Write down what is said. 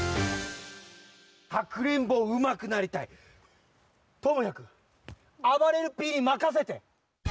かくれんぼうまくなりたい？ともやくんあばれるＰにまかせて！